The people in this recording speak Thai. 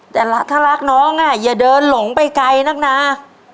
แต่ถ้ารักน้องอย่าเดินหลงไปไกลนักนะ